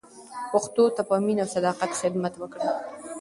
پښتو ته په مینه او صداقت خدمت وکړئ.